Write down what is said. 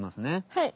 はい。